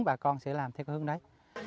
thì bà con sẽ làm theo cái hướng đấy